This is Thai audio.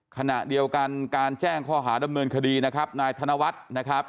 ขณะเดียวกันการแจ้งข้อหาดำเนินคดีนะครับนายธนวัฒน์นะครับ